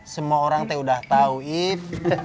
semua orang teh udah tahu if